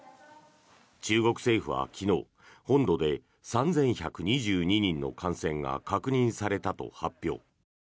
中国政府は昨日本土で３１２２人の感染が確認されたと発表。